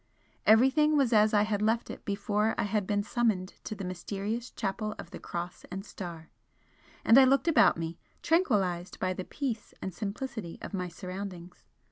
Everything was as I had left it before I had been summoned to the mysterious Chapel of the Cross and Star, and I looked about me, tranquillised by the peace and simplicity of my surroundings.